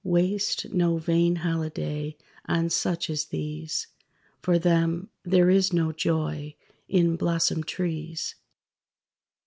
Waste no vain holiday on such as these; For them there is no joy in blossomed trees.